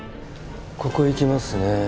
ここいきますね